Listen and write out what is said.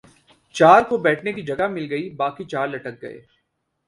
چار کو بیٹھنے کی جگہ مل گئی باقی چار لٹک گئے ۔